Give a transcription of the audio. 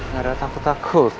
gak ada takut takut